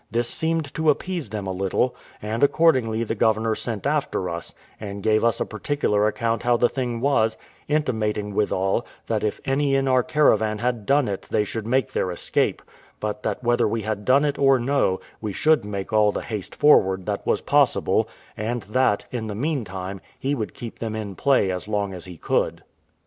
This seemed to appease them a little; and accordingly the governor sent after us, and gave us a particular account how the thing was; intimating withal, that if any in our caravan had done it they should make their escape; but that whether we had done it or no, we should make all the haste forward that was possible: and that, in the meantime, he would keep them in play as long as he could.